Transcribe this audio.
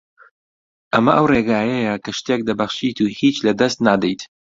ئەمە ئەو ڕێگایەیە کە شتێک دەبەخشیت و هیچ لەدەست نادەیت